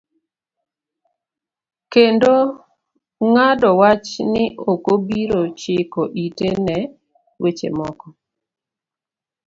Kendo ng'ado wach ni okobiro chiko ite ne weche moko.